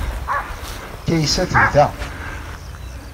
Kaysa tebda.